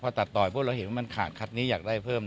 พอตัดต่อยพวกเราเห็นว่ามันขาดคัดนี้อยากได้เพิ่ม